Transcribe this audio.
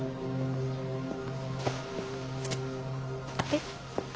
えっ？